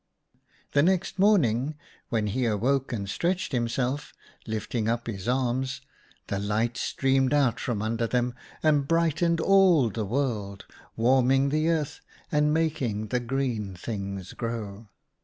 " The next morning, when he awoke and stretched himself, lifting up his arms, the light streamed out from under them and brightened all the world, warming the earth, and making the green things grow.